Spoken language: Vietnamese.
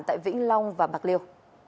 tại vĩnh long và bạc liêu